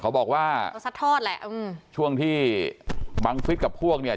บอกว่าก็ซัดทอดแหละอืมช่วงที่บังฟิศกับพวกเนี่ย